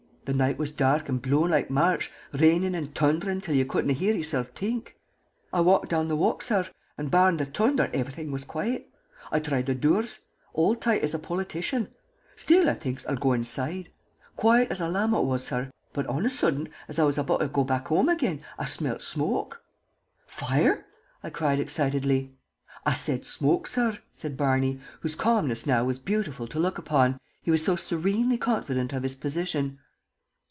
The noight was dark and blow in' loike March, rainin' and t'underin' till ye couldn't hear yourself t'ink. "I walked down the walk, sorr, an' barrin' the t'under everyt'ing was quiet. I troid the dures. All toight as a politician. Shtill, t'inks I, I'll go insoide. Quiet as a lamb ut was, sorr; but on a suddent, as I was about to go back home again, I shmelt shmoke!" "Fire?" I cried, excitedly. "I said shmoke, sorr," said Barney, whose calmness was now beautiful to look upon, he was so serenely confident of his position.